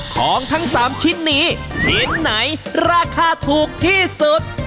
ของทั้ง๓ชิ้นนี้ชิ้นไหนราคาถูกที่สุด